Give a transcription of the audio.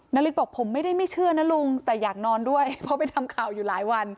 นาริสบอกผมไม่ได้ไม่เชื่อนะลุงแต่อยากนอนด้วยเพราะไปทำข่าวอยู่หลายวัน